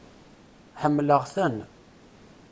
Ḥemmleɣ-ten.